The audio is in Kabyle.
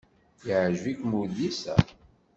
Yeɛjeb-ikem udlis-a?